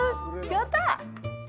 やったあ！